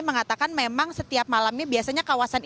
mengatakan memang setiap malam ini biasanya kawasan